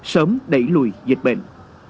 sớm đẩy lùi dịch bệnh